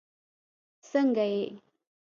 سنګه یی